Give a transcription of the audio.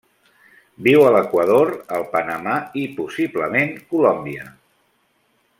Viu a l'Equador, el Panamà i, possiblement, Colòmbia.